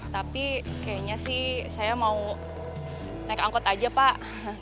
tapi kayaknya sih saya mau naik angkot aja pak